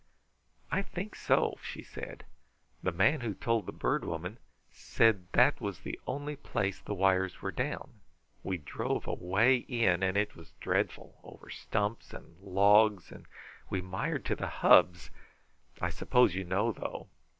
"I think so," she said. "The man who told the Bird Woman said that was the only place the wires were down. We drove away in, and it was dreadful over stumps and logs, and we mired to the hubs. I suppose you know, though.